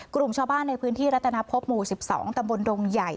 กลุ่มชาวบ้านในพื้นที่รัตนพบหมู่๑๒ตำบลดงใหญ่